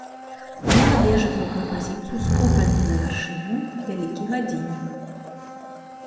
Мела вежавую кампазіцыю з купальным завяршэннем, вялікі гадзіннік.